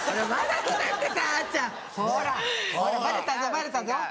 バレたぞ。